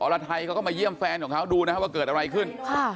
รไทยเขาก็มาเยี่ยมแฟนของเขาดูนะครับว่าเกิดอะไรขึ้น